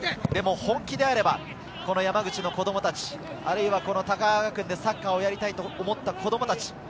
でも本気であればこの山口の子供たち、あるいは高川学園でサッカーをやりたいと思った子供たち。